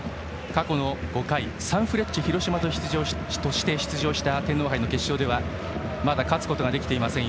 過去の５回サンフレッチェ広島として出場した天皇杯の決勝ではまだ勝つことができていません。